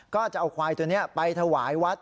ก็จะเอาควายตัวนี้ไปถวายวัด